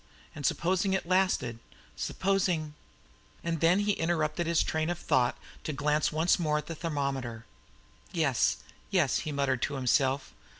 And supposing it lasted, supposing And then he interrupted his train of thought to glance once more at the thermometer. "Yes, yes!" he, muttered to himself.